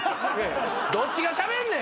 どっちがしゃべって。